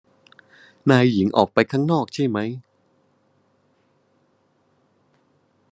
นายหญิงออกไปข้างนอกใช่ไหม